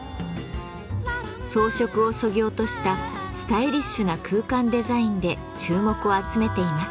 装飾をそぎ落としたスタイリッシュな空間デザインで注目を集めています。